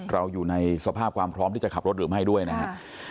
เราอยู่ในสภาพความพร้อมที่จะขับรถหรือไม่ด้วยนะครับ